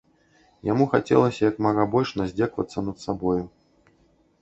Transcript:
Яму хацелася як мага больш наздзекавацца над сабою.